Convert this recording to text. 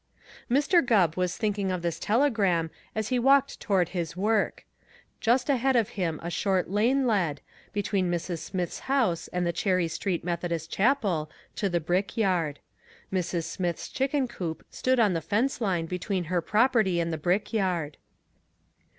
Mr. Gubb was thinking of this telegram as he walked toward his work. Just ahead of him a short lane led, between Mrs. Smith's house and the Cherry Street Methodist Chapel, to the brick yard. Mrs. Smith's chicken coop stood on the fence line between her property and the brick yard!